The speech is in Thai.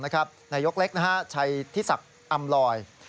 นายกเล็กชัยธิศักดิ์อำลอย